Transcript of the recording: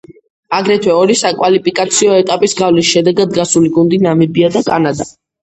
აგრეთვე ორი საკვალიფიკაციო ეტაპის გავლის შედეგად გასული გუნდი, ნამიბია და კანადა.